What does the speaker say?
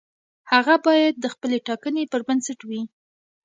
هغه باید د خپلې ټاکنې پر بنسټ وي.